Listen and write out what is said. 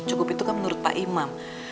cukup itu kan menurut pak imam